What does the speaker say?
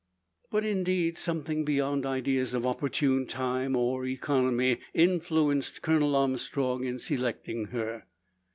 But, indeed, something beyond ideas of opportune time, or economy, influenced Colonel Armstrong in selecting her.